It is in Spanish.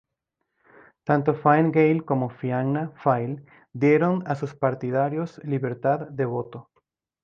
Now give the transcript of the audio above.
Tanto Fine Gael como Fianna Fáil dieron a sus partidarios libertad de voto.